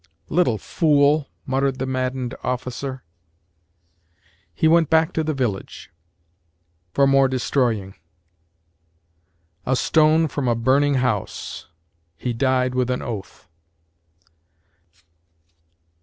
LITTLE FOOL muttered the maddened officer. HE went back to the village for more destroying. A STONE from a burning house HE died with an oath.